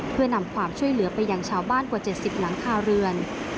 เพื่อนำความช่วยเหลือไปยังชาวบ้านกว่า๗๐หลังคาเรือน